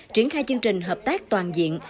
triển khai chương trình hợp tác toàn diện